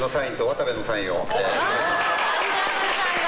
アンジャッシュさんが！